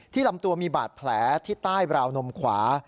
ลำตัวมีบาดแผลที่ใต้ราวนมขวา